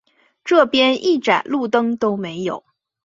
这边一盏路灯都没有